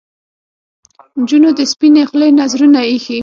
نجونو د سپنې خولې نذرونه ایښي